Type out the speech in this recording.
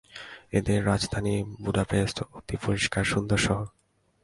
এদের রাজধানী বুডাপেস্ত অতি পরিষ্কার সুন্দর শহর।